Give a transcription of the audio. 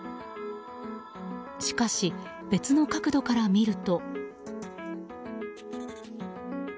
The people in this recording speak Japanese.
しかし、別の角度から見ると。